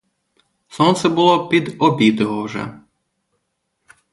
Сонце було під обіди уже.